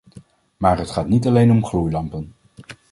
Maar het gaat niet alleen om gloeilampen.